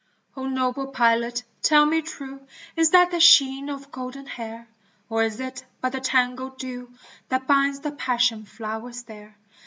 O noble pilot tell me true Is that the sheen of golden hair ? Or is it but the tangled dew That binds the passion flowers there?